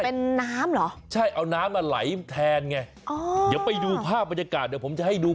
เป็นน้ำเหรอใช่เอาน้ำมาไหลแทนไงอ๋อเดี๋ยวไปดูภาพบรรยากาศเดี๋ยวผมจะให้ดู